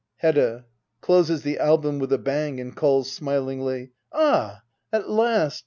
Hedda. [Closes the album with a bang and calls smilingly :] Ah, at last